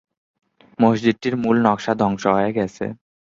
মসজিদটির মূল নকশা ধ্বংস হয়ে গেছে।